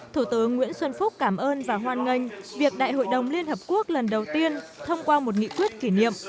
thủ tướng nguyễn xuân phúc cảm ơn và hoan nghênh việc đại hội đồng liên hợp quốc lần đầu tiên thông qua một nghị quyết kỷ niệm